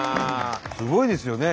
すごいですよね